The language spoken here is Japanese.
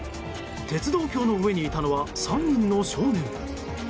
鉄道橋の上にいたのは３人の少年。